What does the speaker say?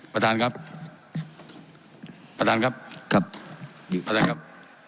ประธานครับประธานครับครับอะไรครับ